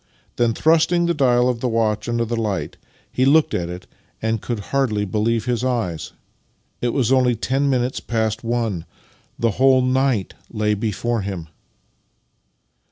Then, thrust ing the dial of the watch under the light, he looked at it, and could hardly believe his eyes ! It was only ten minutes past one! The whole night lay before him!